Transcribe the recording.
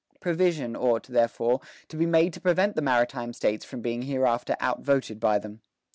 Provision ought, therefore, to be made to prevent the maritime States from being hereafter outvoted by them."